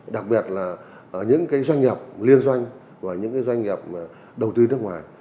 đặc biệt là những doanh nghiệp liên doanh và những doanh nghiệp đầu tư nước ngoài